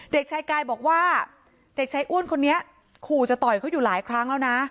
เด็กชายกายบอกว่าเด็กชายอ้วนคนนี้ขู่จะต่อยเขาอยู่หลายครั้งแล้วนะ